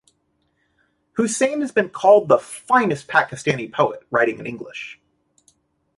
Husain has been called the finest Pakistani poet writing in English.